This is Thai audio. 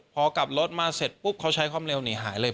พอกลับรถมาเสร็จปุ๊บเขาใช้ความเร็วหนีหายเลย